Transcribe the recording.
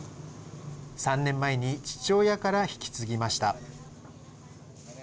３年前に父親から引き継ぎました。